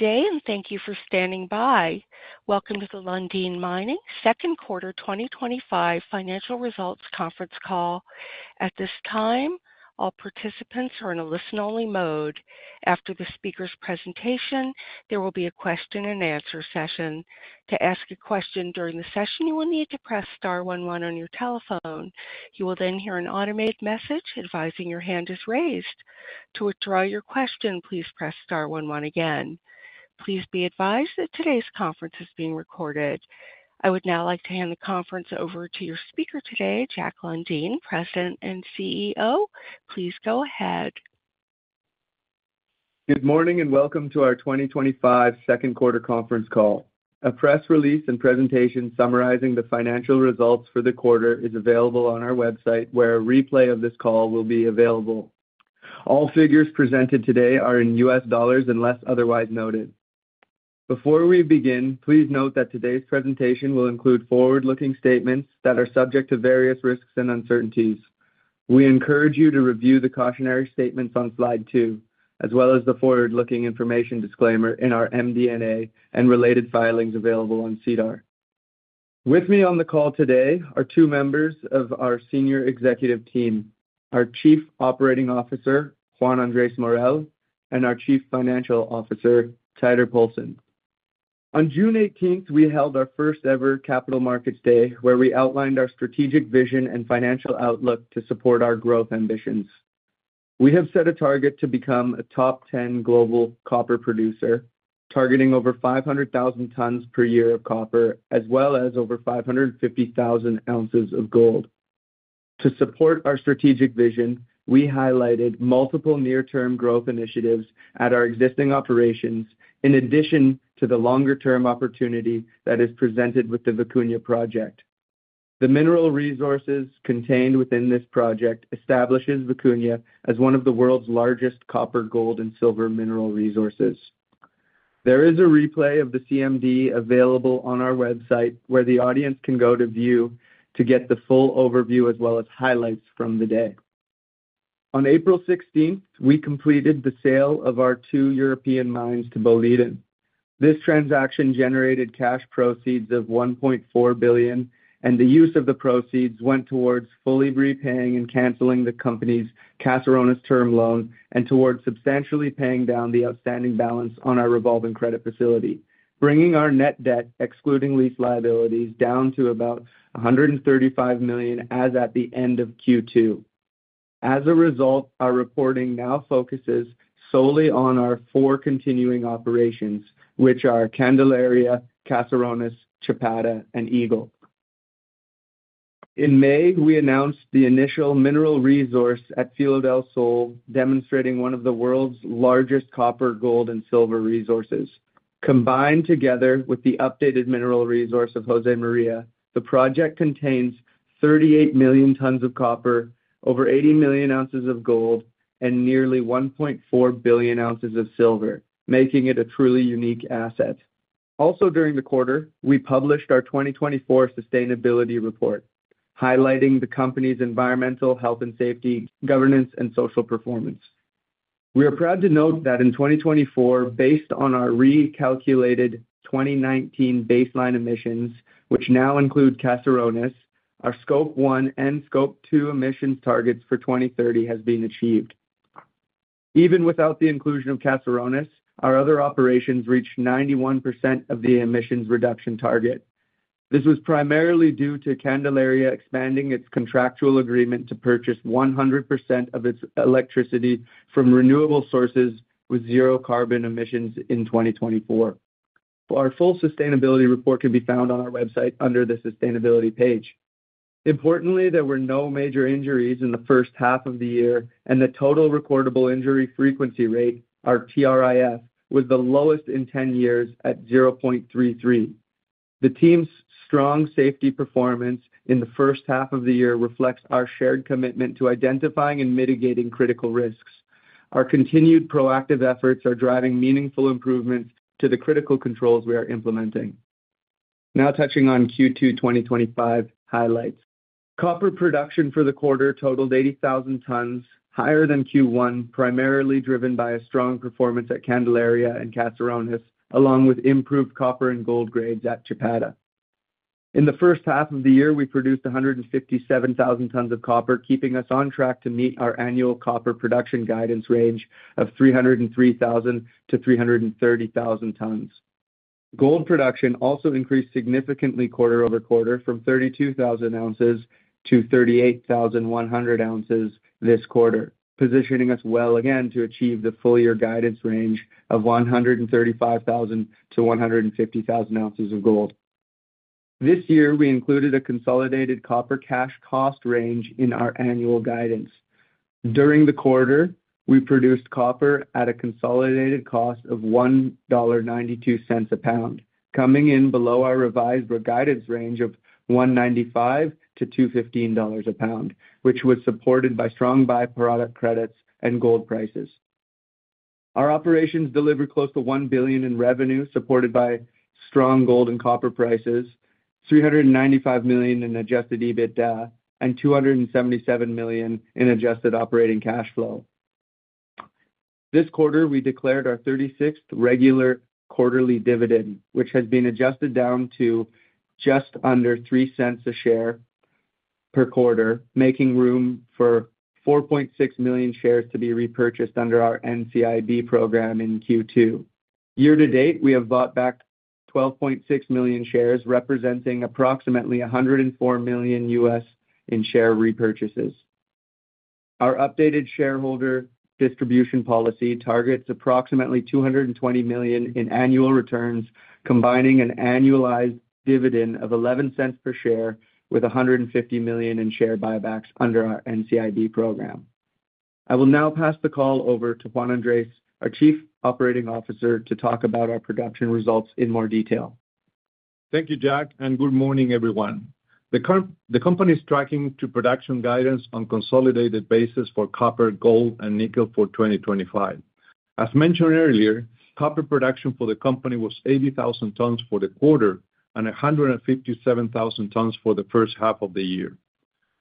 Today, and thank you for standing by. Welcome to the Lundin Mining second quarter 2025 financial results conference call. At this time, all participants are in a listen-only mode. After the speaker's presentation, there will be a question-and-answer session. To ask a question during the session, you will need to press Star one, one on your telephone. You will then hear an automated message advising your hand is raised. To withdraw your question, please press Star one, one again. Please be advised that today's conference is being recorded. I would now like to hand the conference over to your speaker today, Jack Lundin, President and CEO. Please go ahead. Good morning and welcome to our 2025 second quarter conference call. A press release and presentation summarizing the financial results for the quarter is available on our website, where a replay of this call will be available. All figures presented today are in U.S. dollars unless otherwise noted. Before we begin, please note that today's presentation will include forward-looking statements that are subject to various risks and uncertainties. We encourage you to review the cautionary statements on slide two, as well as the forward-looking information disclaimer in our MD&A and related filings available on SEDAR. With me on the call today are two members of our senior executive team: our Chief Operating Officer, Juan Andrés Morel, and our Chief Financial Officer, Teitur Poulsen. On June 18th, we held our first-ever Capital Markets Day, where we outlined our strategic vision and financial outlook to support our growth ambitions. We have set a target to become a top 10 global copper producer, targeting over 500,000 tons per year of copper, as well as over 550,000 ounces of gold. To support our strategic vision, we highlighted multiple near-term growth initiatives at our existing operations, in addition to the longer-term opportunity that is presented with the Vicuña project. The mineral resources contained within this project establish Vicuña as one of the world's largest copper, gold, and silver mineral resources. There is a replay of the CMD available on our website, where the audience can go to view to get the full overview as well as highlights from the day. On April 16th, we completed the sale of our two European mines to Boliden. This transaction generated cash proceeds of $1.4 billion, and the use of the proceeds went towards fully repaying and canceling the company's Caserones term loan and towards substantially paying down the outstanding balance on our revolving credit facility, bringing our net debt, excluding lease liabilities, down to about $135 million as at the end of Q2. As a result, our reporting now focuses solely on our four continuing operations, which are Candelaria, Caserones, Chapada, and Eagle. In May, we announced the initial mineral resource at Filo del Sol, demonstrating one of the world's largest copper, gold, and silver resources. Combined together with the updated mineral resource of José María, the project contains 38 million tons of copper, over 80 million ounces of gold, and nearly 1.4 billion ounces of silver, making it a truly unique asset. Also, during the quarter, we published our 2024 sustainability report, highlighting the company's environmental, health and safety, governance, and social performance. We are proud to note that in 2024, based on our recalculated 2019 baseline emissions, which now include Caserones, our Scope I and II emissions targets for 2030 have been achieved. Even without the inclusion of Caserones, our other operations reached 91% of the emissions reduction target. This was primarily due to Candelaria expanding its contractual agreement to purchase 100% of its electricity from renewable sources with zero carbon emissions in 2024. Our full sustainability report can be found on our website under the sustainability page. Importantly, there were no major injuries in the first half of the year, and the total recordable injury frequency rate, or TRIF, was the lowest in 10 years at 0.33. The team's strong safety performance in the first half of the year reflects our shared commitment to identifying and mitigating critical risks. Our continued proactive efforts are driving meaningful improvements to the critical controls we are implementing. Now touching on Q2 2025 highlights, copper production for the quarter totaled 80,000 tons, higher than Q1, primarily driven by a strong performance at Candelaria and Caserones, along with improved copper and gold grades at Chapada. In the first half of the year, we produced 157,000 tons of copper, keeping us on track to meet our annual copper production guidance range of 303,000-330,000 tons. Gold production also increased significantly quarter over quarter, from 32,000 ounces to 38,100 ounces this quarter, positioning us well again to achieve the full-year guidance range of 135,000-150,000 ounces of gold. This year, we included a consolidated copper cash cost range in our annual guidance. During the quarter, we produced copper at a consolidated cost of $1.92 a pound, coming in below our revised guidance range of $.95-$2.15 a pound, which was supported by strong byproduct credits and gold prices. Our operations delivered close to $1 billion in revenue, supported by strong gold and copper prices, $395 million in adjusted EBITDA, and $277 million in adjusted operating cash flow. This quarter, we declared our 36th regular quarterly dividend, which has been adjusted down to just under $0.03 a share per quarter, making room for 4.6 million shares to be repurchased under our NCIB program in Q2. Year to date, we have bought back 12.6 million shares, representing approximately $104 million in share repurchases. Our updated shareholder distribution policy targets approximately $220 million in annual returns, combining an annualized dividend of $0.11 per share with $150 million in share buybacks under our NCIB program. I will now pass the call over to Juan Andrés, our Chief Operating Officer, to talk about our production results in more detail. Thank you, Jack, and good morning, everyone. The company is tracking production guidance on a consolidated basis for copper, gold, and nickel for 2025. As mentioned earlier, copper production for the company was 80,000 tons for the quarter and 157,000 tons for the first half of the year.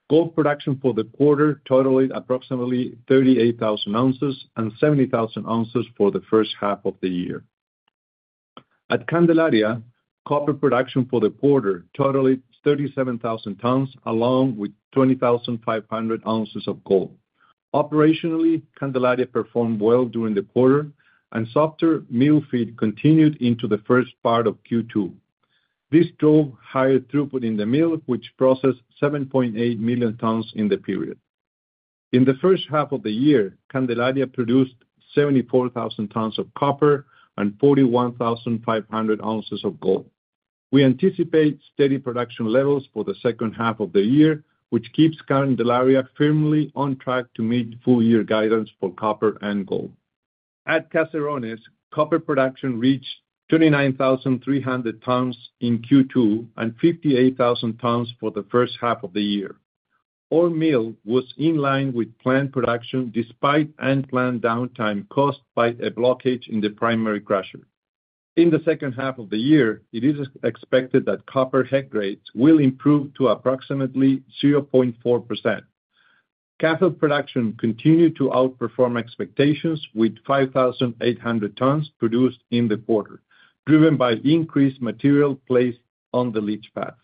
Gold production for the quarter totaled approximately 38,000 ounces and 70,000 ounces for the first half of the year. At Candelaria, copper production for the quarter totaled 37,000 tons, along with 20,500 ounces of gold. Operationally, Candelaria performed well during the quarter, and softer mill feed continued into the first part of Q2. This drove higher throughput in the mill, which processed 7.8 million tons in the period. In the first half of the year, Candelaria produced 74,000 tons of copper and 41,500 ounces of gold. We anticipate steady production levels for the second half of the year, which keeps Candelaria firmly on track to meet full-year guidance for copper and gold. At Caserones, copper production reached 29,300 tons in Q2 and 58,000 tons for the first half of the year. All mill was in line with planned production despite unplanned downtime caused by a blockage in the primary crusher. In the second half of the year, it is expected that copper head grades will improve to approximately 0.4%. Cathode production continued to outperform expectations, with 5,800 tons produced in the quarter, driven by increased material placed on the leach pads.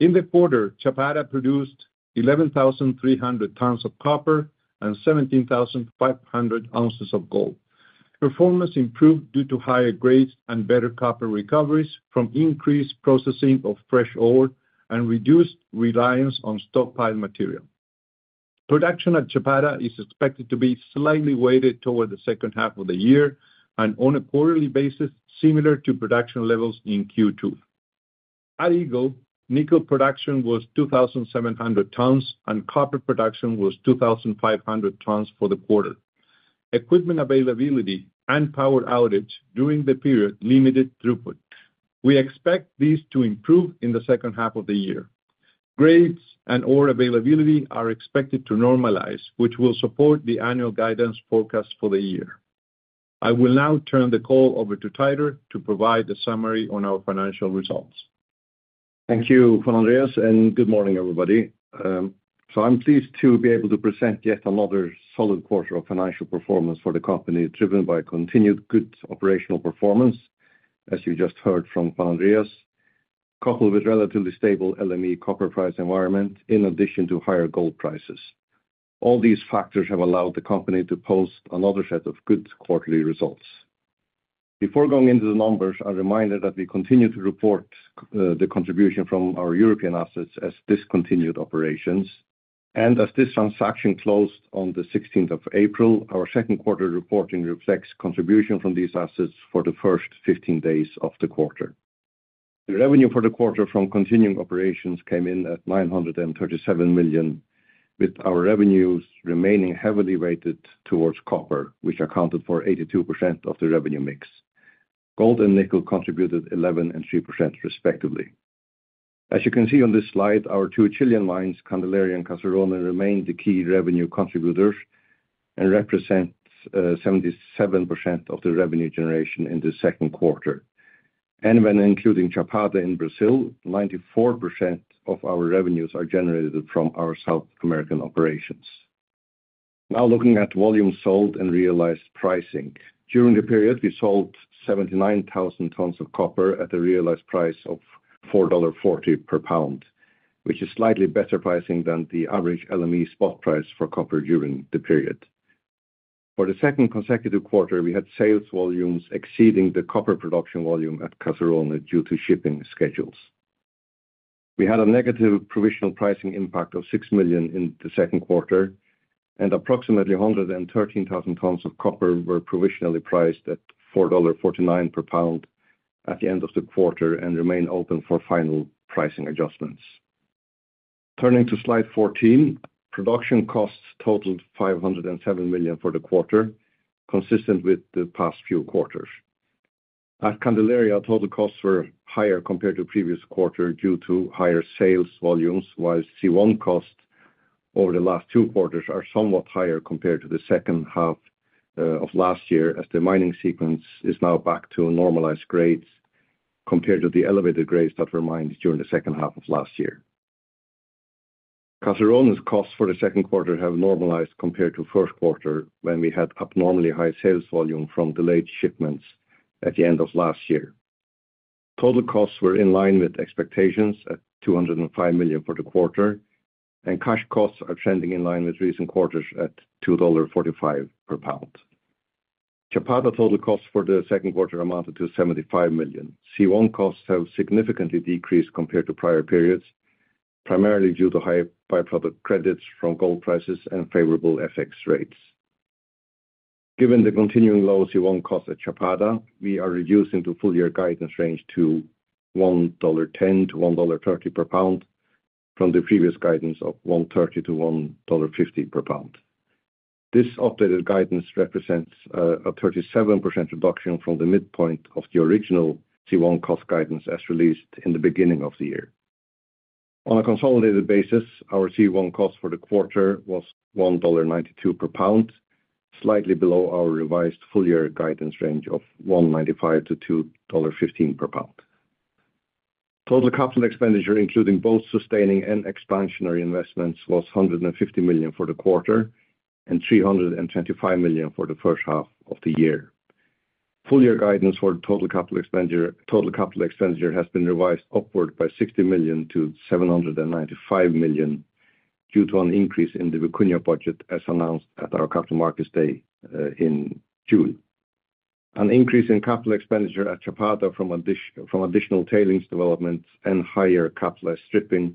In the quarter, Chapada produced 11,300 tons of copper and 17,500 ounces of gold. Performance improved due to higher grades and better copper recoveries from increased processing of fresh ore and reduced reliance on stockpiled material. Production at Chapada is expected to be slightly weighted toward the second half of the year and on a quarterly basis, similar to production levels in Q2. At Eagle, nickel production was 2,700 tons and copper production was 2,500 tons for the quarter. Equipment availability and power outage during the period limited throughput. We expect these to improve in the second half of the year. Grades and ore availability are expected to normalize, which will support the annual guidance forecast for the year. I will now turn the call over to Teitur to provide a summary on our financial results. Thank you, Juan Andrés, and good morning, everybody. I'm pleased to be able to present yet another solid quarter of financial performance for the company, driven by continued good operational performance, as you just heard from Juan Andrés, coupled with a relatively stable LME copper price environment, in addition to higher gold prices. All these factors have allowed the company to post another set of good quarterly results. Before going into the numbers, a reminder that we continue to report the contribution from our European assets as discontinued operations, and as this transaction closed on the 16th of April, our second quarter reporting reflects contribution from these assets for the first 15 days of the quarter. The revenue for the quarter from continuing operations came in at $937 million, with our revenues remaining heavily weighted towards copper, which accounted for 82% of the revenue mix. Gold and nickel contributed 11% and 3%, respectively. As you can see on this slide, our two Chilean mines, Candelaria and Caserones, remain the key revenue contributors and represent 77% of the revenue generation in the second quarter. When including Chapada in Brazil, 94% of our revenues are generated from our South American operations. Now looking at volume sold and realized pricing, during the period, we sold 79,000 tons of copper at a realized price of $4.40 per pound, which is slightly better pricing than the average LME spot price for copper during the period. For the second consecutive quarter, we had sales volumes exceeding the copper production volume at Caserones due to shipping schedules. We had a negative provisional pricing impact of $6 million in the second quarter, and approximately 113,000 tons of copper were provisionally priced at $4.49 per pound at the end of the quarter and remain open for final pricing adjustments. Turning to slide 14, production costs totaled $507 million for the quarter, consistent with the past few quarters. At Candelaria, total costs were higher compared to the previous quarter due to higher sales volumes, while C1 costs over the last two quarters are somewhat higher compared to the second half of last year, as the mining sequence is now back to normalized grades compared to the elevated grades that were mined during the second half of last year. Caserones costs for the second quarter have normalized compared to the first quarter when we had abnormally high sales volume from delayed shipments at the end of last year. Total costs were in line with expectations at $205 million for the quarter, and cash costs are trending in line with recent quarters at $2.45 per pound. Chapada total costs for the second quarter amounted to $75 million. C1 costs have significantly decreased compared to prior periods, primarily due to higher byproduct credits from gold prices and favorable FX rates. Given the continuing low C1 costs at Chapada, we are reducing the full-year guidance range to $1.10-$1.30 per pound from the previous guidance of $1.30-$1.50 per pound. This updated guidance represents a 37% reduction from the midpoint of the original C1 cost guidance as released in the beginning of the year. On a consolidated basis, our C1 cost for the quarter was $1.92 per pound, slightly below our revised full-year guidance range of $1.95-$2.15 per pound. Total capital expenditure, including both sustaining and expansionary investments, was $150 million for the quarter and $325 million for the first half of the year. Full-year guidance for total capital expenditure has been revised upward by $60 million to $795 million due to an increase in the Vicuña budget, as announced at our Capital Markets Day in June. An increase in capital expenditure at Chapada from additional tailings developments and higher capital stripping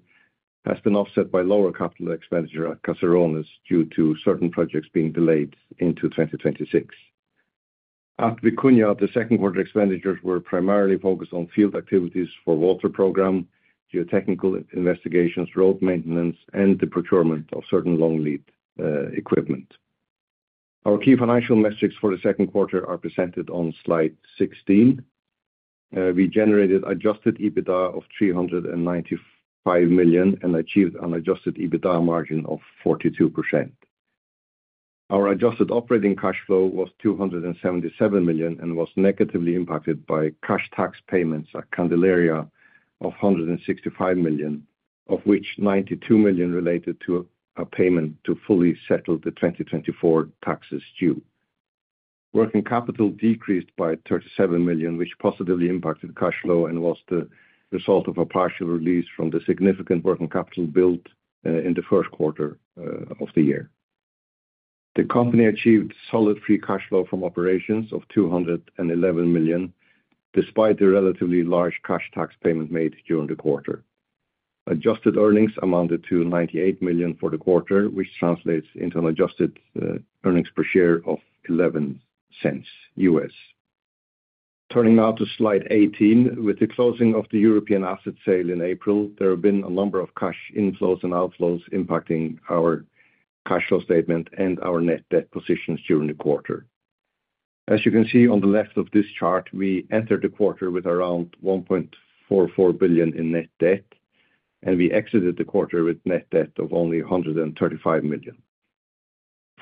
has been offset by lower capital expenditure at Caserones due to certain projects being delayed into 2026. At Vicuña, the second quarter expenditures were primarily focused on field activities for the water program, geotechnical investigations, road maintenance, and the procurement of certain long-lead equipment. Our key financial metrics for the second quarter are presented on slide 16. We generated an adjusted EBITDA of $395 million and achieved an adjusted EBITDA margin of 42%. Our adjusted operating cash flow was $277 million and was negatively impacted by cash tax payments at Candelaria of $165 million, of which $92 million related to a payment to fully settle the 2024 taxes due. Working capital decreased by $37 million, which positively impacted cash flow and was the result of a partial release from the significant working capital billed in the first quarter of the year. The company achieved solid free cash flow from operations of $211 million, despite the relatively large cash tax payment made during the quarter. Adjusted earnings amounted to $98 million for the quarter, which translates into an adjusted earnings per share of $0.11. Turning now to slide 18, with the closing of the European asset sale in April, there have been a number of cash inflows and outflows impacting our cash flow statement and our net debt positions during the quarter. As you can see on the left of this chart, we entered the quarter with around $1.44 billion in net debt, and we exited the quarter with net debt of only $135 million.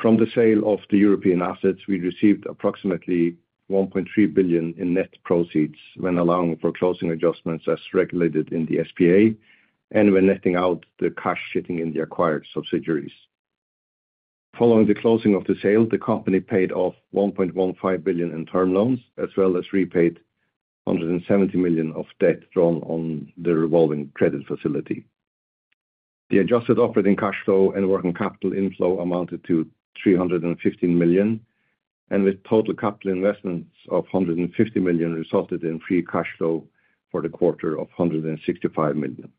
From the sale of the European assets, we received approximately $1.3 billion in net proceeds when allowing for closing adjustments as regulated in the SPA and when netting out the cash sitting in the acquired subsidiaries. Following the closing of the sale, the company paid off $1.15 billion in term loans, as well as repaid $170 million of debt drawn on the revolving credit facility. The adjusted operating cash flow and working capital inflow amounted to $315 million, and with total capital investments of $150 million resulted in free cash flow for the quarter of $165 million.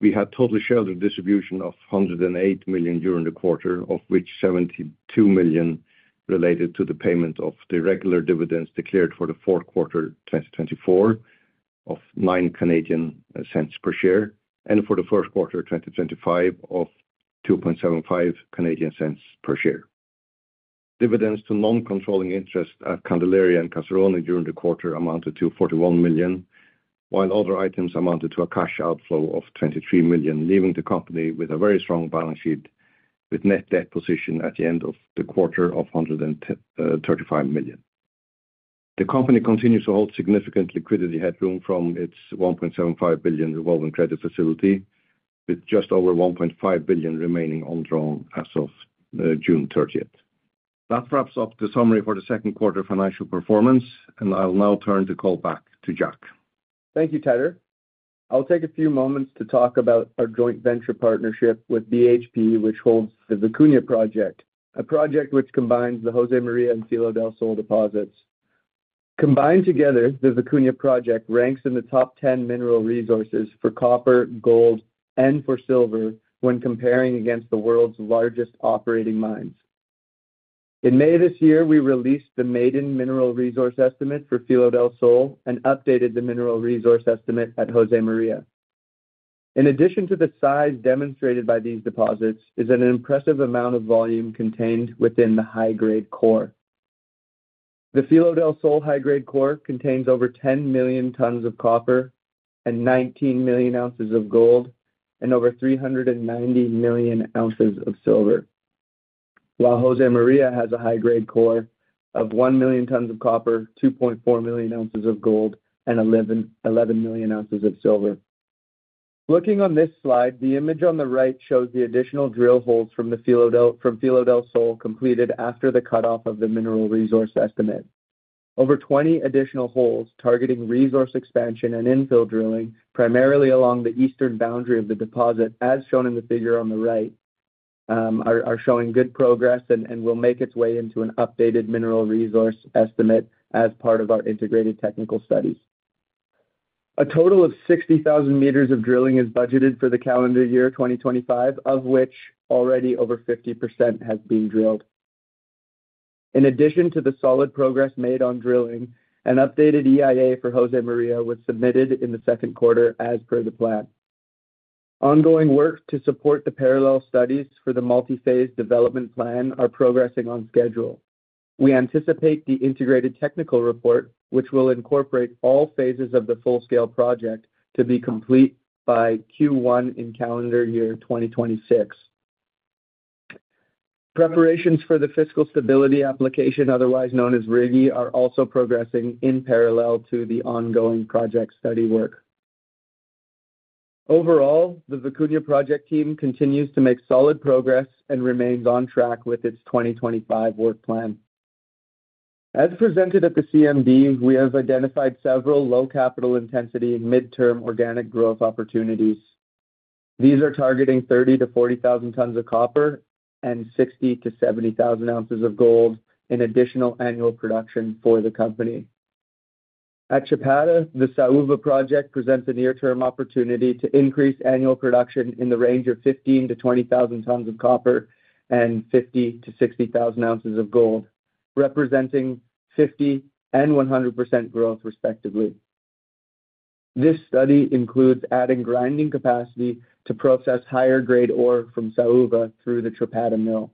We had total share distribution of $108 million during the quarter, of which $72 million related to the payment of the regular dividends declared for the fourth quarter 2024 of $0.09 per share and for the first quarter 2025 of $2.75 per share. Dividends to non-controlling interest at Candelaria and Caserones during the quarter amounted to $41 million, while other items amounted to a cash outflow of $23 million, leaving the company with a very strong balance sheet with a net debt position at the end of the quarter of $135 million. The company continues to hold significant liquidity headroom from its $1.75 billion revolving credit facility, with just over $1.5 billion remaining on drawn as of June 30th. That wraps up the summary for the second quarter financial performance, and I'll now turn the call back to Jack. Thank you, Teitur. I'll take a few moments to talk about our joint venture partnership with BHP, which holds the Vicuña project, a project which combines the José María and Filo del Sol deposits. Combined together, the Vicuña project ranks in the top 10 mineral resources for copper, gold, and for silver when comparing against the world's largest operating mines. In May of this year, we released the maiden mineral resource estimate for Filo del Sol and updated the mineral resource estimate at José María. In addition to the size demonstrated by these deposits, there is an impressive amount of volume contained within the high-grade core. The Filo del Sol high-grade core contains over 10 million tons of copper and 19 million ounces of gold and over 390 million ounces of silver, while José María has a high-grade core of 1 million tons of copper, 2.4 million ounces of gold, and 11 million ounces of silver. Looking on this slide, the image on the right shows the additional drill holes from Filo del Sol completed after the cutoff of the mineral resource estimate. Over 20 additional holes targeting resource expansion and infill drilling, primarily along the eastern boundary of the deposit, as shown in the figure on the right, are showing good progress and will make its way into an updated mineral resource estimate as part of our integrated technical studies. A total of 60,000 m of drilling is budgeted for the calendar year 2025, of which already over 50% has been drilled. In addition to the solid progress made on drilling, an updated EIA for José María was submitted in the second quarter as per the plan. Ongoing work to support the parallel studies for the multi-phase development plan are progressing on schedule. We anticipate the integrated technical report, which will incorporate all phases of the full-scale project, to be complete by Q1 in calendar year 2026. Preparations for the fiscal stability application, otherwise known as RIGI, are also progressing in parallel to the ongoing project study work. Overall, the Vicuña project team continues to make solid progress and remains on track with its 2025 work plan. As presented at the CMD, we have identified several low-capital intensity and mid-term organic growth opportunities. These are targeting 30,000-40,000 tons of copper and 60,000-70,000 ounces of gold in additional annual production for the company. At Chapada, the Saúva project presents a near-term opportunity to increase annual production in the range of 15,000-20,000 tons of copper and 50,000-60,000 ounces of gold, representing 50% and 100% growth, respectively. This study includes adding grinding capacity to process higher grade ore from Saúva through the Chapada mill.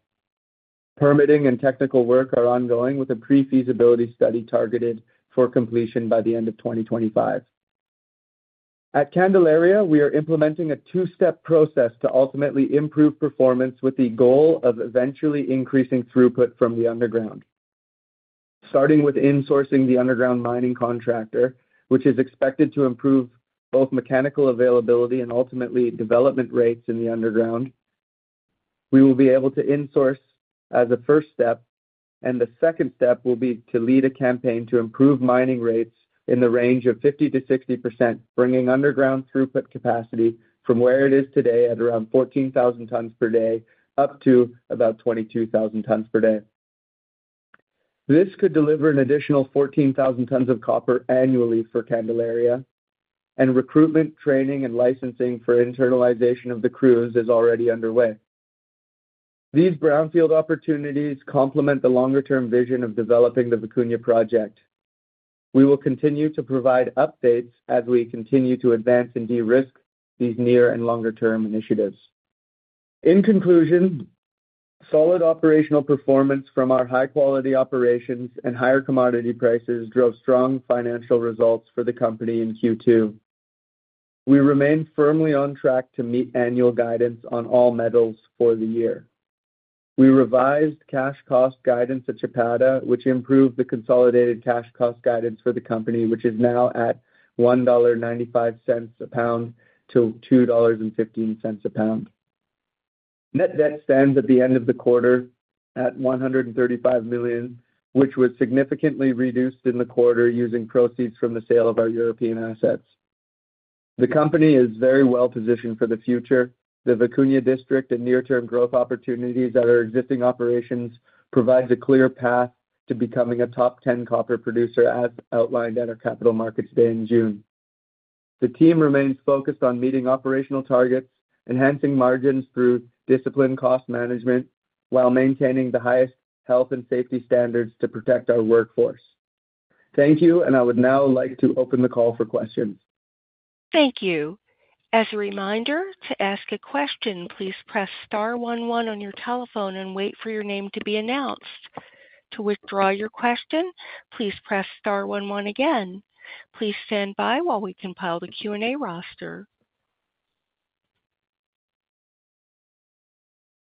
Permitting and technical work are ongoing, with a pre-feasibility study targeted for completion by the end of 2025. At Candelaria, we are implementing a two-step process to ultimately improve performance with the goal of eventually increasing throughput from the underground. Starting with insourcing the underground mining contractor, which is expected to improve both mechanical availability and ultimately development rates in the underground, we will be able to insource as a first step, and the second step will be to lead a campaign to improve mining rates in the range of 50%-60%, bringing underground throughput capacity from where it is today at around 14,000 tons per day up to about 22,000 tons per day. This could deliver an additional 14,000 tons of copper annually for Candelaria, and recruitment, training, and licensing for internalization of the crews is already underway. These brownfield opportunities complement the longer-term vision of developing the Vicuña project. We will continue to provide updates as we continue to advance and de-risk these near and longer-term initiatives. In conclusion, solid operational performance from our high-quality operations and higher commodity prices drove strong financial results for the company in Q2. We remain firmly on track to meet annual guidance on all metals for the year. We revised cash cost guidance at Chapada, which improved the consolidated cash cost guidance for the company, which is now at $1.95 a pound to $2.15 a pound. Net debt stands at the end of the quarter at $135 million, which was significantly reduced in the quarter using proceeds from the sale of our European assets. The company is very well positioned for the future. The Vicuña district and near-term growth opportunities that our existing operations provide a clear path to becoming a top 10 copper producer as outlined at our Capital Markets Day in June. The team remains focused on meeting operational targets, enhancing margins through disciplined cost management, while maintaining the highest health and safety standards to protect our workforce. Thank you, and I would now like to open the call for questions. Thank you. As a reminder, to ask a question, please press Star, one, one on your telephone and wait for your name to be announced. To withdraw your question, please press Star, one, one again. Please stand by while we compile the Q&A roster.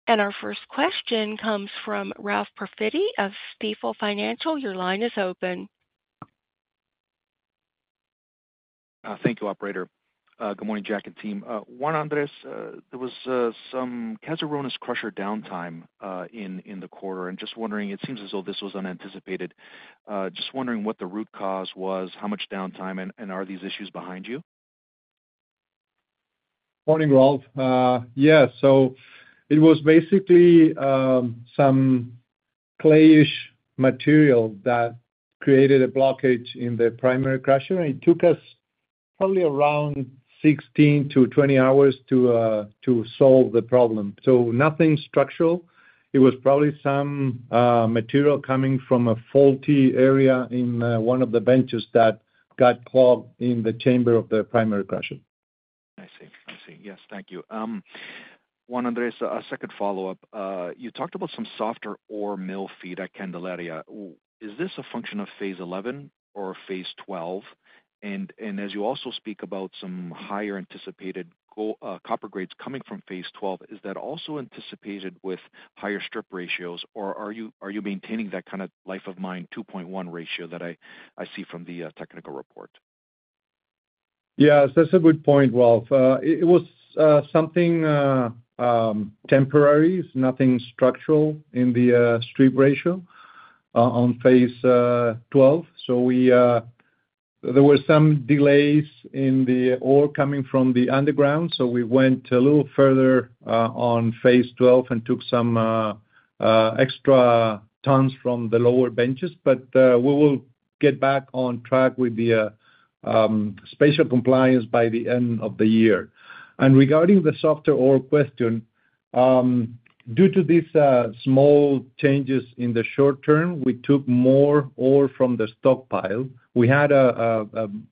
Our first question comes from Ralph Profiti of Stifel Financial. Your line is open. Thank you, operator. Good morning, Jack and team. Juan Andrés, there was some Caserones crusher downtime in the quarter, and just wondering, it seems as though this was unanticipated. Just wondering what the root cause was, how much downtime, and are these issues behind you? Morning, Ralph. Yeah, it was basically some clay-ish material that created a blockage in the primary crusher, and it took us probably around 16-20 hours to solve the problem. Nothing structural. It was probably some material coming from a faulty area in one of the benches that got clogged in the chamber of the primary crusher. I see. Yes, thank you. Juan Andrés, a second follow-up. You talked about some softer ore mill feed at Candelaria. Is this a function of phase 11 or phase 12? As you also speak about some higher anticipated copper grades coming from phase 12, is that also anticipated with higher strip ratios, or are you maintaining that kind of life of mine 2.1 ratio that I see from the technical report? Yes, that's a good point, Ralph. It was something temporary, nothing structural in the strip ratio on phase 12. There were some delays in the ore coming from the underground, so we went a little further on phase 12 and took some extra tons from the lower benches, but we will get back on track with the special compliance by the end of the year. Regarding the softer ore question, due to these small changes in the short term, we took more ore from the stockpile. We had a,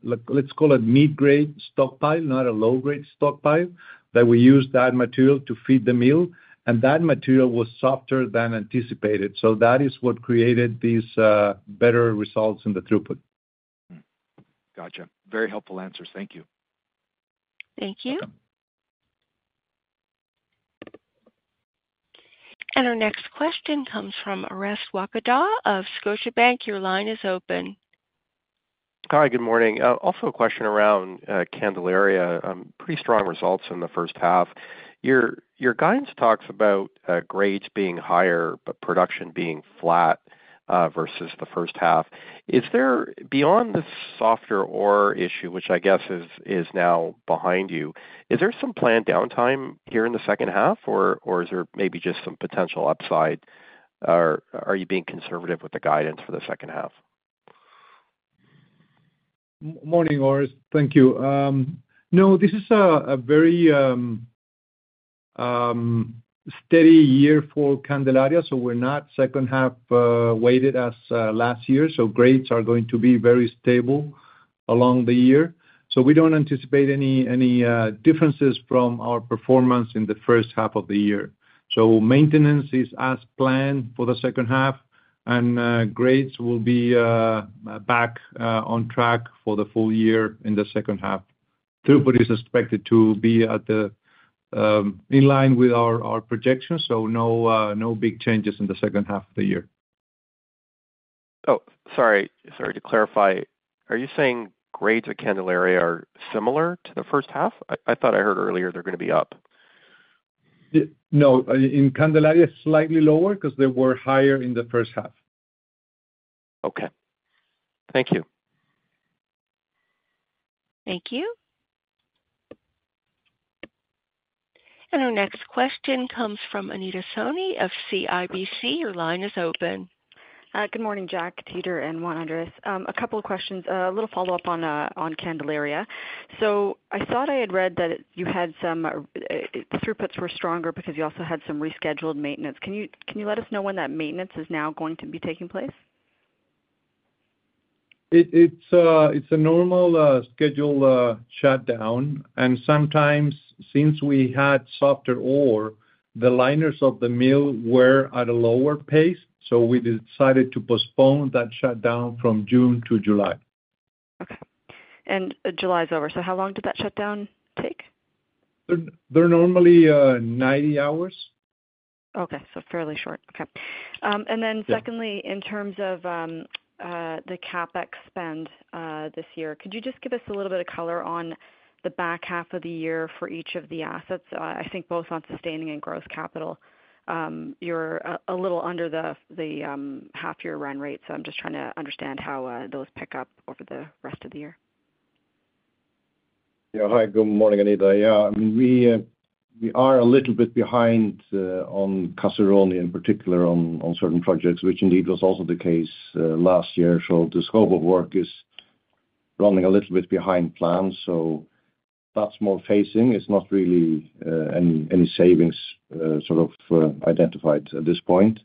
let's call it, mid-grade stockpile, not a low-grade stockpile, that we used that material to feed the mill, and that material was softer than anticipated. That is what created these better results in the throughput. Gotcha. Very helpful answers. Thank you. Thank you. Our next question comes from Orest Wowkodaw of Scotiabank. Your line is open. Hi, good morning. Also a question around Candelaria. Pretty strong results in the first half. Your guidance talks about grades being higher, but production being flat versus the first half. Is there, beyond the softer ore issue, which I guess is now behind you, is there some planned downtime here in the second half, or is there maybe just some potential upside? Are you being conservative with the guidance for the second half? Morning, Orest. Thank you. No, this is a very steady year for Candelaria, so we're not second half weighted as last year. Grades are going to be very stable along the year. We don't anticipate any differences from our performance in the first half of the year. Maintenance is as planned for the second half, and grades will be back on track for the full year in the second half. Throughput is expected to be in line with our projections, no big changes in the second half of the year. Sorry, to clarify, are you saying grades at Candelaria are similar to the first half? I thought I heard earlier they're going to be up. No, in Candelaria, slightly lower because they were higher in the first half. Okay. Thank you. Thank you. Our next question comes from Anita Soni of CIBC. Your line is open. Good morning, Jack, Teitur, and Juan Andrés. A couple of questions, a little follow-up on Candelaria. I thought I had read that you had some throughputs were stronger because you also had some rescheduled maintenance. Can you let us know when that maintenance is now going to be taking place? It's a normal scheduled shutdown, and sometimes since we had softer ore, the liners of the mill were at a lower pace, so we decided to postpone that shutdown from June to July. Okay. July is over. How long did that shutdown take? They're normally 90 hours. Okay, so fairly short. Then, in terms of the CapEx spend this year, could you just give us a little bit of color on the back half of the year for each of the assets? I think both on sustaining and gross capital, you're a little under the half-year run rate, so I'm just trying to understand how those pick up over the rest of the year. Yeah, hi, good morning, Anita. Yeah, we are a little bit behind on Caserones, in particular on certain projects, which indeed was also the case last year. The scope of work is running a little bit behind plans. That's more phasing. It's not really any savings sort of identified at this point.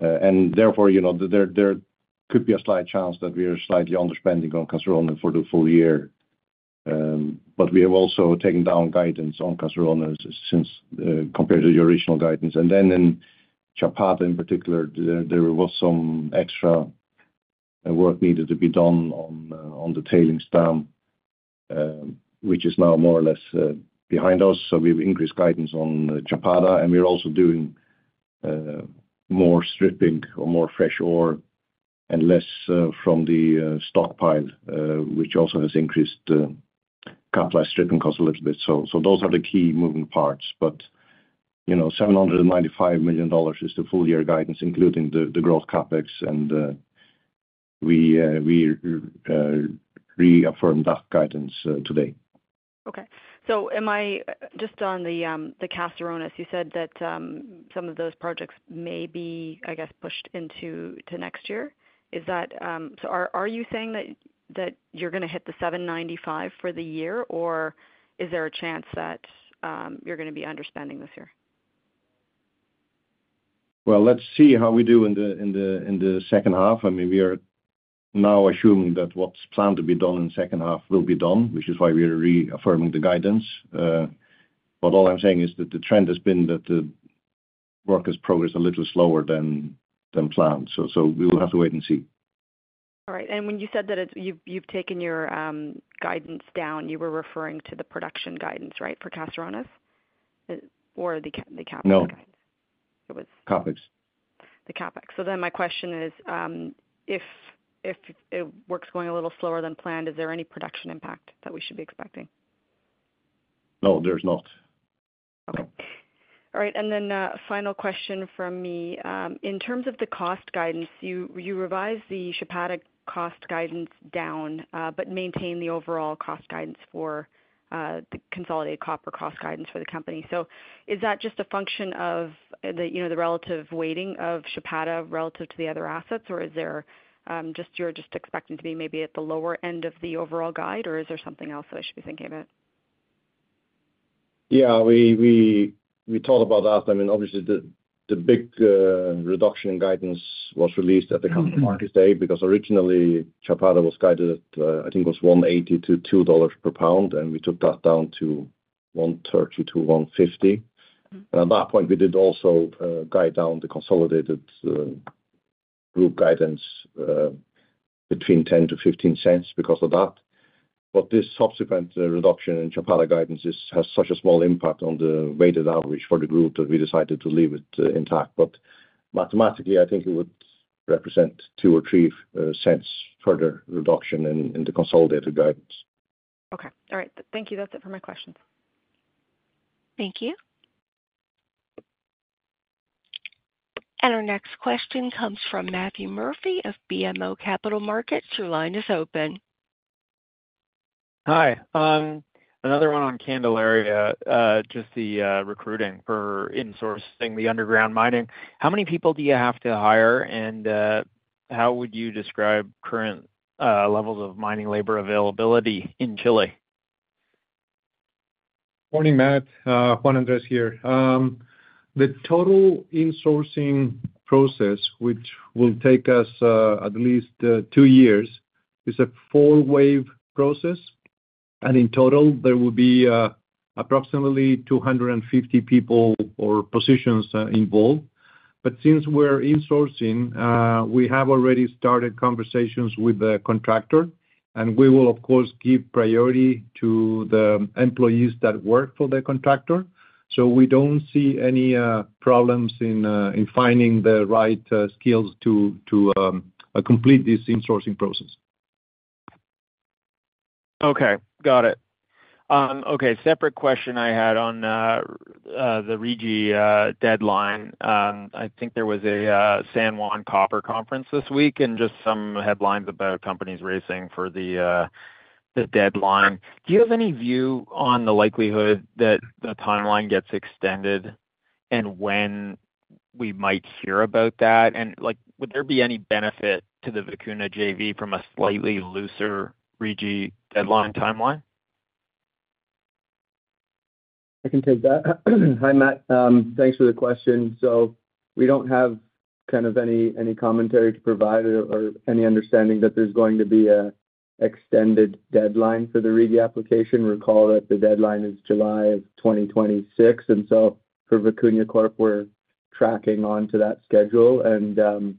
Therefore, you know, there could be a slight chance that we are slightly underspending on Caserones for the full year. We have also taken down guidance on Caserones compared to the original guidance. In Chapada, in particular, there was some extra work needed to be done on the tailings dam, which is now more or less behind us. We've increased guidance on Chapada, and we're also doing more stripping or more fresh ore and less from the stockpile, which also has increased CapEx stripping costs a little bit. Those are the key moving parts. You know, $795 million is the full-year guidance, including the growth CapEx, and we reaffirmed that guidance today. Okay. Am I just on the Caserones? You said that some of those projects may be, I guess, pushed into next year. Is that, are you saying that you're going to hit the $795 million for the year, or is there a chance that you're going to be underspending this year? Let's see how we do in the second half. I mean, we are now assuming that what's planned to be done in the second half will be done, which is why we're reaffirming the guidance. All I'm saying is that the trend has been that the work has progressed a little slower than planned. We will have to wait and see. All right. When you said that you've taken your guidance down, you were referring to the production guidance, right, for Caserones or the CapEx guidance? No, it was CapEx. The CapEx. My question is, if it works going a little slower than planned, is there any production impact that we should be expecting? No, there's not. All right. A final question from me. In terms of the cost guidance, you revised the Chapada cost guidance down, but maintained the overall cost guidance for the consolidated copper cost guidance for the company. Is that just a function of the relative weighting of Chapada relative to the other assets, or are you just expecting to be maybe at the lower end of the overall guide, or is there something else that I should be thinking about? Yeah, we talked about that. I mean, obviously, the big reduction in guidance was released at the Capital Markets Day because originally, Chapada was guided at, I think it was $1.80-$2.00 per pound, and we took that down to $1.30-$1.50. At that point, we did also guide down the consolidated group guidance between $0.10 to $0.15 because of that. This subsequent reduction in Chapada guidance has such a small impact on the weighted average for the group that we decided to leave it intact. Mathematically, I think it would represent $0.02 or $0.03 further reduction in the consolidated guidance. Okay. All right. Thank you. That's it for my questions. Thank you. Our next question comes from Matthew Murphy of BMO Capital Markets. Your line is open. Hi. Another one on Candelaria, just the recruiting for insourcing the underground mining. How many people do you have to hire, and how would you describe current levels of mining labor availability in Chile? Morning, Matt. Juan Andrés here. The total insourcing process, which will take us at least two years, is a four-wave process. In total, there will be approximately 250 people or positions involved. Since we're insourcing, we have already started conversations with the contractor, and we will, of course, give priority to the employees that work for the contractor. We don't see any problems in finding the right skills to complete this insourcing process. Okay. Got it. Okay. Separate question I had on the RIGI deadline. I think there was a San Juan Copper Conference this week, and just some headlines about companies racing for the deadline. Do you have any view on the likelihood that the timeline gets extended and when we might hear about that? Would there be any benefit to the Vicuña JV from a slightly looser RIGI deadline timeline? I can take that. Hi, Matt. Thanks for the question. We don't have any commentary to provide or any understanding that there's going to be an extended deadline for the RIGI application. Recall that the deadline is July of 2026. For Vicuña Corp, we're tracking onto that schedule and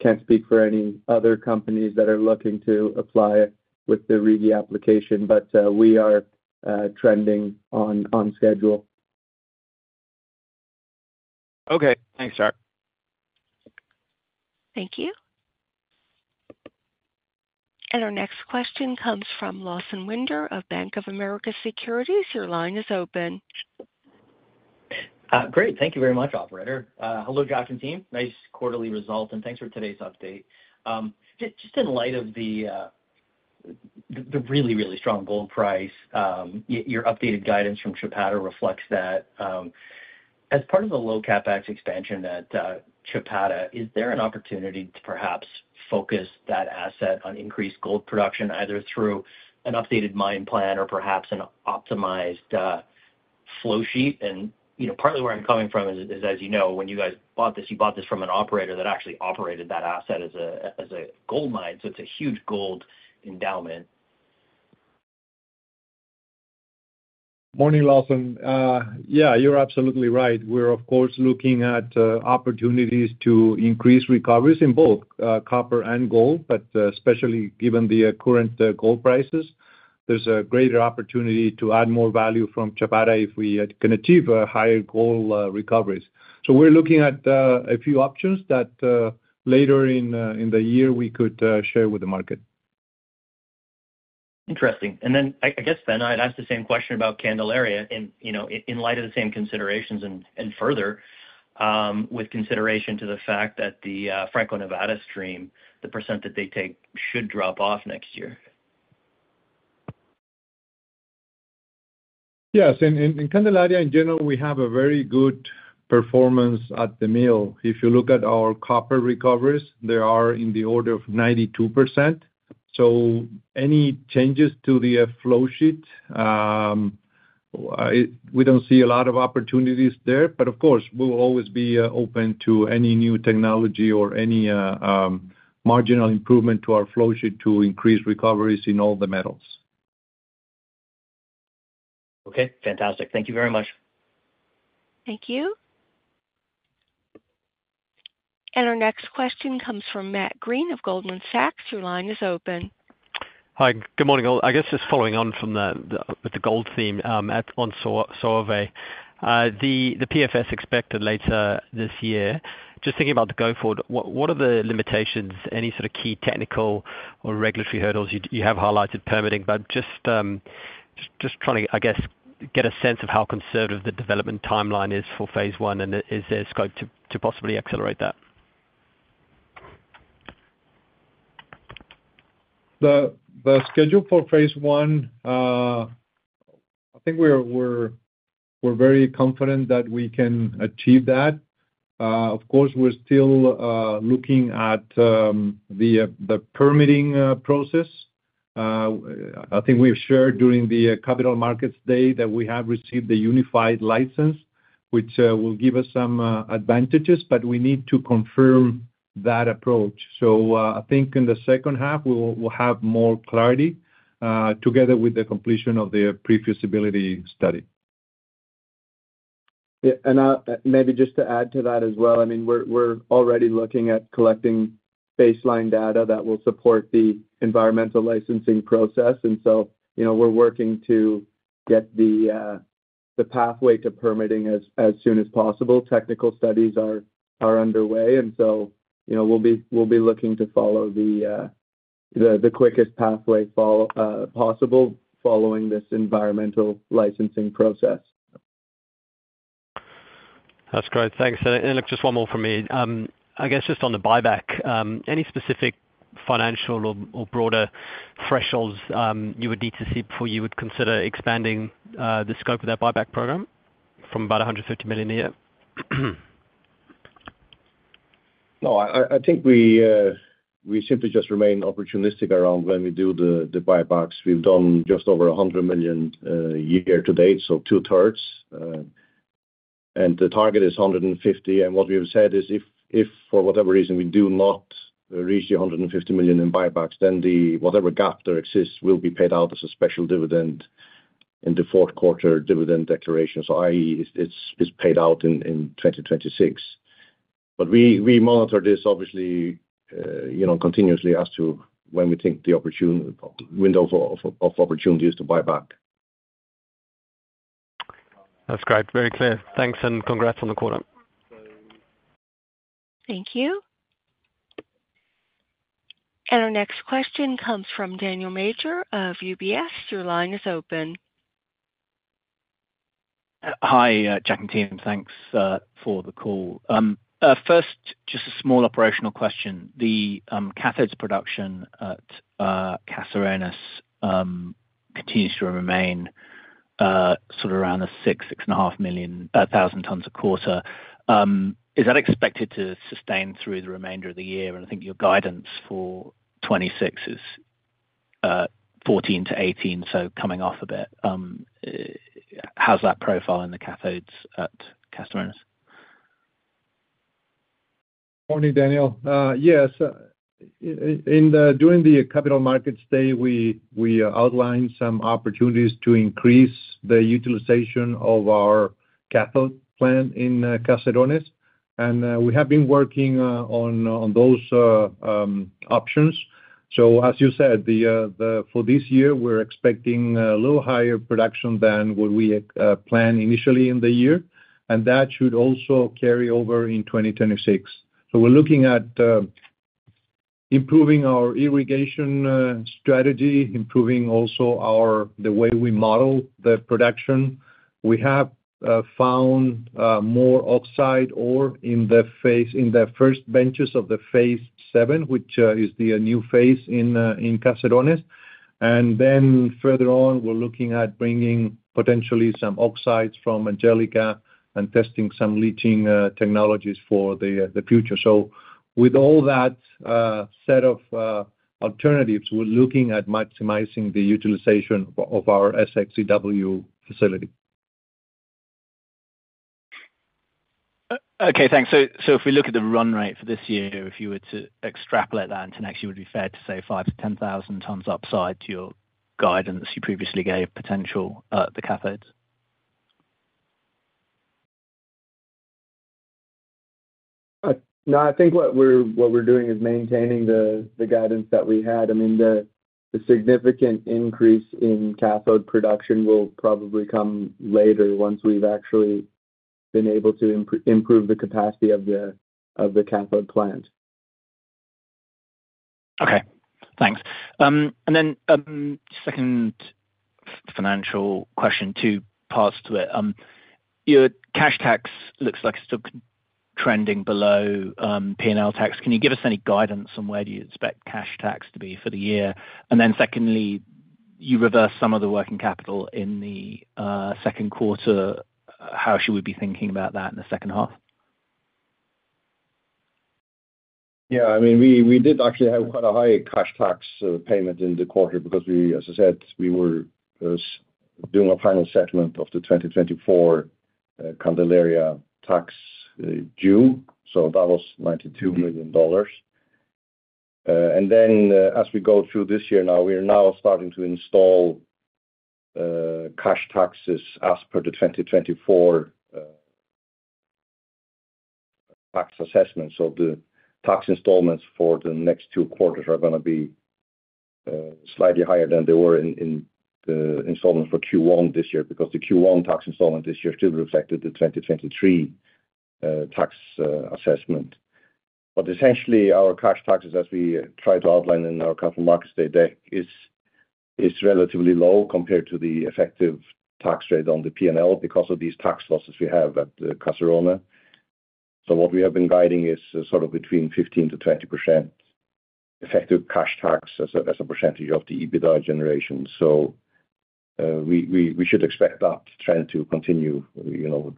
can't speak for any other companies that are looking to apply with the RIGI application, but we are trending on schedule. Okay. Thanks, Jack. Thank you. Our next question comes from Lawson Winder of Bank of America Securities. Your line is open. Great. Thank you very much, operator. Hello, Jack and team. Nice quarterly result, and thanks for today's update. Just in light of the really, really strong gold price, your updated guidance from Chapada reflects that. As part of the low CapEx expansion at Chapada, is there an opportunity to perhaps focus that asset on increased gold production, either through an updated mine plan or perhaps an optimized flow sheet? You know partly where I'm coming from is, as you know, when you guys bought this, you bought this from an operator that actually operated that asset as a gold mine. It's a huge gold endowment. Morning, Lawson. Yeah, you're absolutely right. We're, of course, looking at opportunities to increase recoveries in both copper and gold, but especially given the current gold prices, there's a greater opportunity to add more value from Chapada if we can achieve higher gold recoveries. We're looking at a few options that later in the year we could share with the market. Interesting. I guess I'd ask the same question about Candelaria in light of the same considerations, and further, with consideration to the fact that the Franco-Nevada stream, the percentthat they take should drop off next year. Yes. In Candelaria, in general, we have a very good performance at the mill. If you look at our copper recoveries, they are in the order of 92%. Any changes to the flow sheet, we don't see a lot of opportunities there. Of course, we will always be open to any new technology or any marginal improvement to our flow sheet to increase recoveries in all the metals. Okay. Fantastic. Thank you very much. Thank you. Our next question comes from Matt Greene of Goldman Sachs. Your line is open. Hi. Good morning. I guess just following on from the gold theme on survey. The PFS expected later this year. Just thinking about the go forward, what are the limitations, any sort of key technical or regulatory hurdles you have highlighted permitting? Just trying to, I guess, get a sense of how conservative the development timeline is for phase one, and is there scope to possibly accelerate that? The schedule for phase one, I think we're very confident that we can achieve that. Of course, we're still looking at the permitting process. I think we've shared during the Capital Markets Day that we have received the unified license, which will give us some advantages, but we need to confirm that approach. I think in the second half, we will have more clarity together with the completion of the pre-feasibility study. Yeah, maybe just to add to that as well, we're already looking at collecting baseline data that will support the environmental licensing process. You know we're working to get the pathway to permitting as soon as possible. Technical studies are underway, and you know we'll be looking to follow the quickest pathway possible following this environmental licensing process. That's great. Thanks. Just one more from me. I guess just on the buyback, any specific financial or broader thresholds you would need to see before you would consider expanding the scope of that buyback program from about $150 million a year? No, I think we simply just remain opportunistic around when we do the buybacks. We've done just over $100 million year to date, so 2/3, and the target is $150 million. What we have said is if, for whatever reason, we do not reach $150 million in buybacks, then whatever gap there exists will be paid out as a special dividend in the fourth quarter dividend declaration, i.e., it's paid out in 2026. We monitor this, obviously, you know, continuously as to when we think the window of opportunity is to buy back. That's great. Very clear. Thanks and congrats on the quarter. Thank you. Our next question comes from Daniel Major of UBS. Your line is open. Hi, Jack and team. Thanks for the call. First, just a small operational question. The cathodes production at Caserones continues to remain sort of around 6 million, 6.5 million tons a quarter. Is that expected to sustain through the remainder of the year? I think your guidance for 2026 is 14-18, so coming off a bit. How's that profile in the cathodes at Caserones? Morning, Daniel. Yes. During the Capital Markets Day, we outlined some opportunities to increase the utilization of our cathode plant in Caserones. We have been working on those options. As you said, for this year, we're expecting a little higher production than what we planned initially in the year. That should also carry over in 2026. We're looking at improving our irrigation strategy, improving also the way we model the production. We have found more oxide ore in the first benches of the phase seven, which is the new phase in Caserones. Further on, we're looking at bringing potentially some oxides from Angelica and testing some leaching technologies for the future. With all that set of alternatives, we're looking at maximizing the utilization of our SXEW facility. Okay. Thanks. If we look at the run rate for this year, if you were to extrapolate that into next year, it would be fair to say 5,000-10,000 tons upside to your guidance you previously gave potential at the cathodes. No, I think what we're doing is maintaining the guidance that we had. I mean, the significant increase in cathode production will probably come later once we've actually been able to improve the capacity of the cathode plant. Okay. Thanks. A second financial question, two parts to it. Your cash tax looks like it's still trending below P&L tax. Can you give us any guidance on where you expect cash tax to be for the year? Secondly, you reverse some of the working capital in the second quarter. How should we be thinking about that in the second half? Yeah, I mean, we did actually have quite a high cash tax payment in the quarter because, as I said, we were doing a final settlement of the 2024 Candelaria tax in June. That was $92 million. As we go through this year now, we're starting to install cash taxes as per the 2024 tax assessment. The tax installments for the next two quarters are going to be slightly higher than they were in the installment for Q1 this year because the Q1 tax installment this year still reflected the 2023 tax assessment. Essentially, our cash taxes, as we try to outline in our Capital Markets Day, is relatively low compared to the effective tax rate on the P&L because of these tax losses we have at Caserones. What we have been guiding is sort of between 15%-20% effective cash tax as a percentage of the EBITDA generation. We should expect that trend to continue for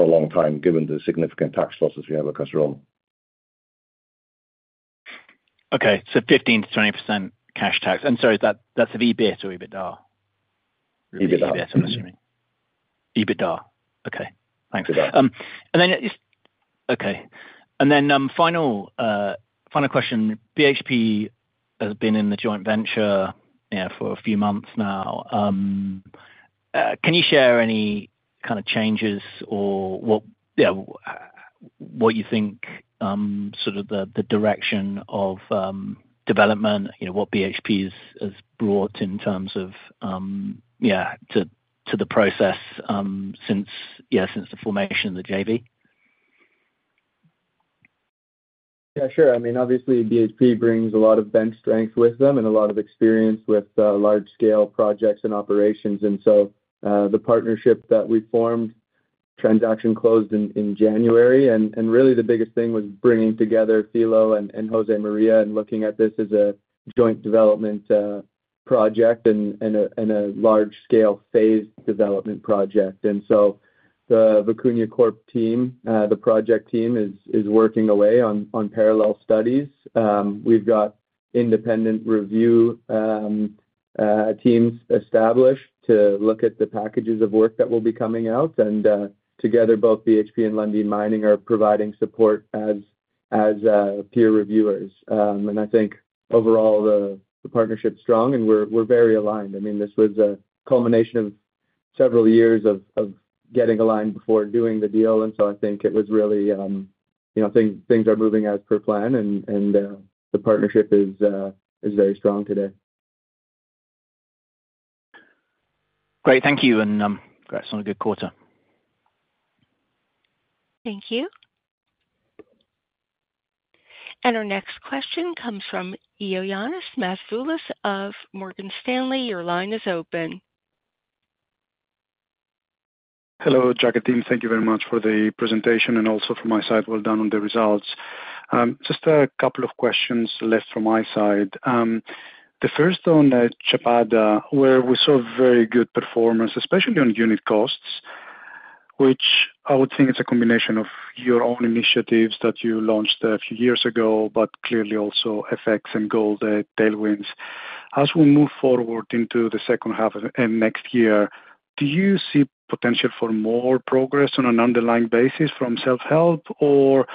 a long time, given the significant tax losses we have at Caserones. Okay. 15%-20% cash tax. Sorry, that's of EBIT or EBITDA? EBITDA. EBITDA. Okay. Thanks. EBITDA. Okay. Final question. BHP has been in the joint venture for a few months now. Can you share any kind of changes or what you think the direction of development is, what BHP has brought in terms of to the process since the formation of the JV? Yeah, sure. I mean, obviously, BHP brings a lot of bench strength with them and a lot of experience with large-scale projects and operations. The partnership that we formed, transaction closed in January. The biggest thing was bringing together Filo and José María and looking at this as a joint development project and a large-scale phased development project. The Vicuña Corp team, the project team, is working away on parallel studies. We've got independent review teams established to look at the packages of work that will be coming out. Together, both BHP and Lundin Mining are providing support as peer reviewers. I think overall, the partnership is strong and we're very aligned. This was a culmination of several years of getting aligned before doing the deal. I think it was really, you know, things are moving as per plan and the partnership is very strong today. Great. Thank you. It's been a good quarter. Thank you. Our next question comes from Ioannis Masvoulas of Morgan Stanley. Your line is open. Hello, Jack and team. Thank you very much for the presentation and also from my side. Well done on the results. Just a couple of questions left from my side. The first on Chapada, where we saw very good performance, especially on unit costs, which I would think is a combination of your own initiatives that you launched a few years ago, but clearly also FX and gold tailwinds. As we move forward into the second half of next year, do you see potential for more progress on an underlying basis from self-help, or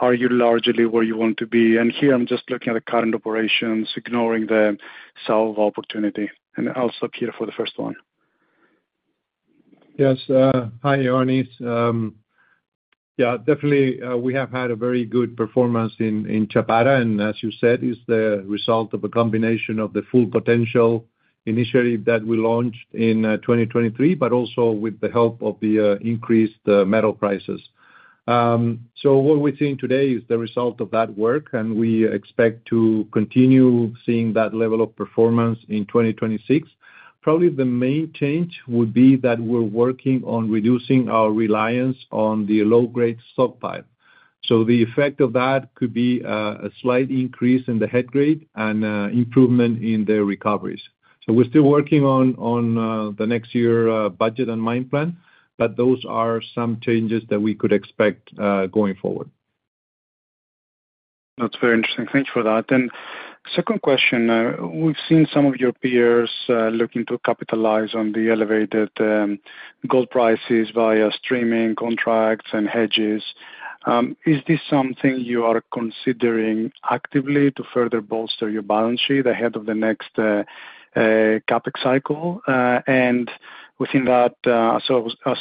are you largely where you want to be? Here, I'm just looking at the current operations, ignoring the Saúva opportunity. I'll stop here for the first one. Yes. Hi, Ioannis. Yeah, definitely, we have had a very good performance in Chapada, and as you said, it's the result of a combination of the full potential initiative that we launched in 2023, but also with the help of the increased metal prices. What we're seeing today is the result of that work, and we expect to continue seeing that level of performance in 2026. Probably the main change would be that we're working on reducing our reliance on the low-grade stockpile. The effect of that could be a slight increase in the head grade and improvement in the recoveries. We're still working on the next year's budget and mine plan, but those are some changes that we could expect going forward. That's very interesting. Thanks for that. Second question. We've seen some of your peers looking to capitalize on the elevated gold prices via streaming contracts and hedges. Is this something you are considering actively to further bolster your balance sheet ahead of the next CapEx cycle? Within that, as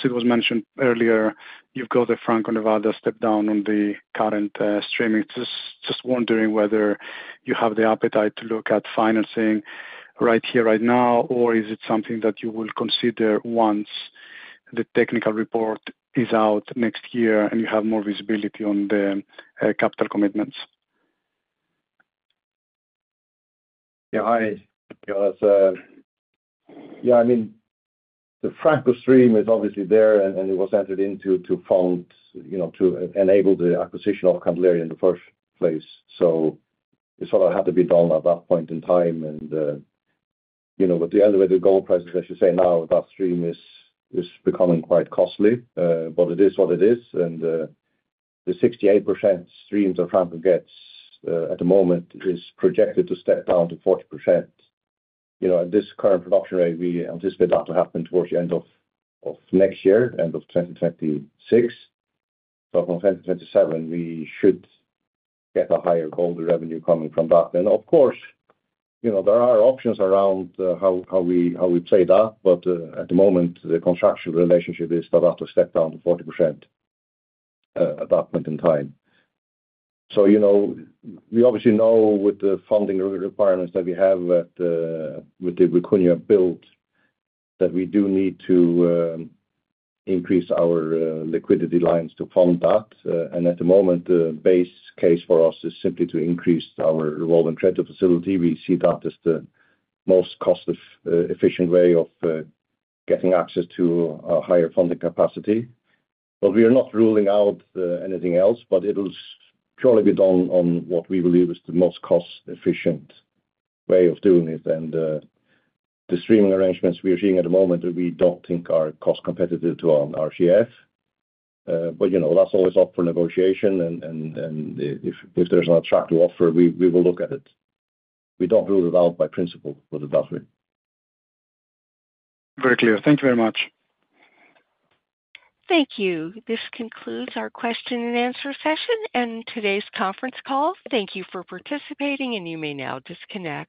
it was mentioned earlier, you've got the Franco-Nevada step down on the current streaming. Just wondering whether you have the appetite to look at financing right here, right now, or is it something that you will consider once the integrated technical report is out next year and you have more visibility on the capital commitments? Yeah, I mean, the Franco stream is obviously there, and it was entered into to fund the acquisition of Candelaria in the first place. It sort of had to be done at that point in time. With the elevated gold prices, as you say now, that stream is becoming quite costly, but it is what it is. The 68% stream that Franco gets at the moment is projected to step down to 40%. At this current production rate, we anticipate that to happen towards the end of next year, end of 2026. From 2027, we should get a higher gold revenue coming from that. Of course, there are options around how we play that, but at the moment, the contractual relationship is for that to step down to 40% at that point in time. We obviously know with the funding requirements that we have with the Vicuña build that we do need to increase our liquidity lines to fund that. At the moment, the base case for us is simply to increase our revolving trade facility. We see that as the most cost-efficient way of getting access to a higher funding capacity. We are not ruling out anything else, but it'll surely be done on what we believe is the most cost-efficient way of doing it. The streaming arrangements we are seeing at the moment, we don't think are cost-competitive to RCF. That's always up for negotiation, and if there's an attractive offer, we will look at it. We don't rule it out by principle, but it does. Very clear. Thank you very much. Thank you. This concludes our question and answer session and today's conference call. Thank you for participating, and you may now disconnect.